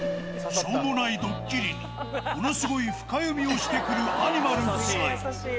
しょうもないドッキリに、ものすごい深読みをしてくるアニマル夫妻。